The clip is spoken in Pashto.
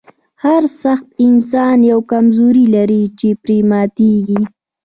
هر سخت انسان یوه کمزوري لري چې پرې ماتیږي